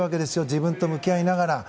自分と向き合いながら。